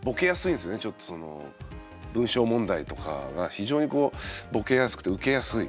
ちょっとその文章問題とかが非常にこうボケやすくてウケやすい。